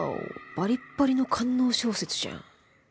バリッバリの官能小説じゃん。